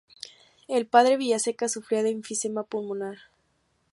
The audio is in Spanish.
El padre Vilaseca sufría de enfisema pulmonar.